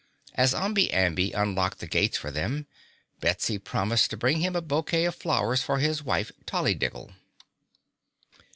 As Omby Amby unlocked the gates for them, Betsy promised to bring him a bouquet of flowers for his wife, Tollydiggle.